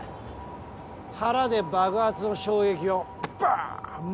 腹で爆発の衝撃をバーン！